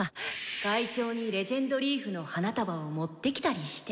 会長に「伝説のリーフ」の花束を持ってきたりして？